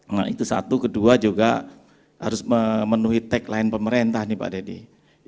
nah itu satu kedua juga harus memenuhi tagline pemerintah nih pak deddy